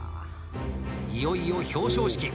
いよいよ表彰式。